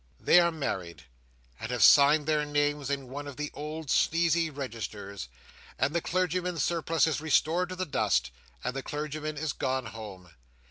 They are married, and have signed their names in one of the old sneezy registers, and the clergyman's surplice is restored to the dust, and the clergyman is gone home.